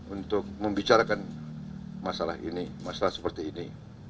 untuk membicarakan masalah ini masalah seperti ini